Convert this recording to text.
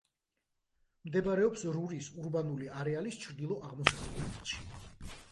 მდებარეობს რურის ურბანული არეალის ჩრდილო-აღმოსავლეთ ნაწილში.